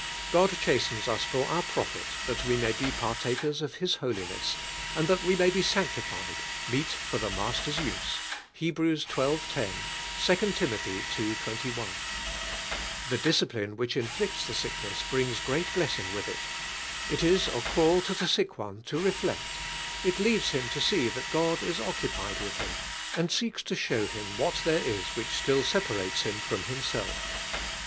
God chastens us "for our profit, that we may be partakers of His holiness," and that we may be sanctified, "meet for the Master's use" (He h. xii. 10; II. Tim. ii. 21). The discipline which inflicts the sick ness brings great blessings with it. It is a call to the sick one to reflect; it leads him to see (hat Gad is occupied with him, and seeks to show him what there is which still separates him from Himself.